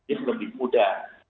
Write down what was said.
ini lebih mudah